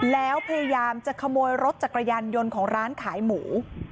แล้วพยายามจะขโมยรถจักรยานยนต์ของร้านขายหมู